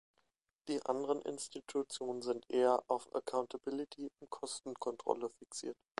Die anderen Institutionen sind eher auf accountability und Kostenkontrolle fixiert.